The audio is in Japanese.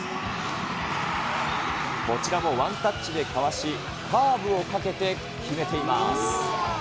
こちらもワンタッチでかわし、カーブをかけて決めています。